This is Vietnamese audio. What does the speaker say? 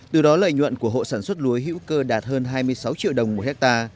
từ đó lợi nhuận của hộ sản xuất lúa hữu cơ đạt hơn hai mươi sáu triệu đồng một hectare